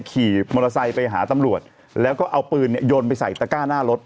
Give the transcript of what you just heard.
ขี่มอเตอร์ไซค์ไปหาตำรวจแล้วก็เอาปืนโยนไปใส่ตะก้าหน้ารถ